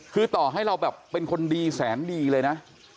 คือต่อให้เราแบบเป็นคนดีแสนดีเลยนะ